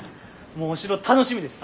もうお城楽しみです！